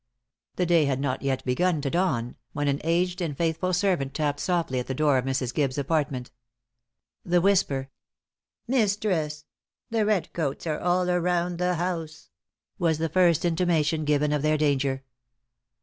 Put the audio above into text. The day had not yet begun to dawn, when an aged and faithful servant tapped softly at the door of Mrs. Gibbes' apartment. The whisper "Mistress, the redcoats are all around the house," was the first intimation given of their danger.